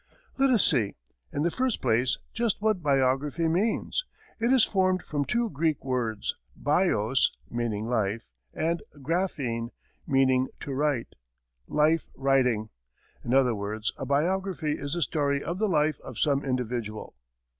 Let us see, in the first place, just what biography means. It is formed from two Greek words, "bios," meaning life, and "graphein," meaning to write: life writing. In other words, a biography is the story of the life of some individual.